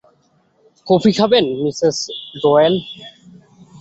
Coffee খাবেন, Mrs Doyle?